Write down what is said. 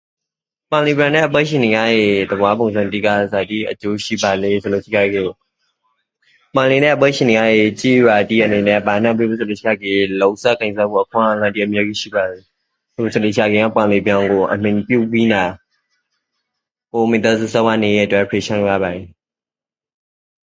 ပင်လင်ပြင်နန့်အပါးချေနိန်ရယေသဘာဝပုံစံတိကဇာတိအကျိုးရှိပါလဲဆိုလို့ရှိကေ၊ပင်လယ်နန့်အပါးချေနိန်ရယေကျေးရွာတိအနိန်နန့်ပနန်းပြောဖို့ဆိုလို့ရှိကေလုပ်စားကိုင်စားဖို့အခွင့်အလမ်းတိအများကြီးရှိပါယေ။ပြောဖို့ဆိုလို့ရှိကေယင်းပင်လယ်ပြင်ကိုအမှီပြုပီးပနာ၊ကိုယ့်မိသားစုစားဝတ်နိန်ရေးအတွက်ဖြေရှင်းလို့ရပါယေ။